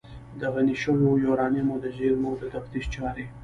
د غني شویو یورانیمو د زیرمو د تفتیش چارې